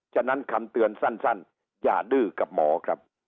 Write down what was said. ฉะนั้นคำเตือนสั้นอย่าดื้อกับหมอครับ